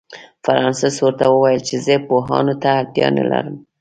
فرانسس ورته وویل چې زه پوهانو ته اړتیا نه لرم.